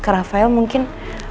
ke rafael mungkin